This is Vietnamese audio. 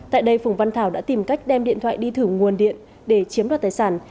tại đây phùng văn thảo đã tìm cách đem điện thoại đi thử nguồn điện để chiếm đoạt tài sản